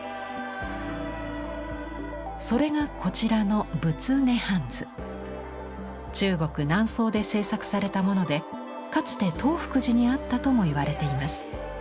それがこちらの中国・南宋で制作されたものでかつて東福寺にあったとも言われています。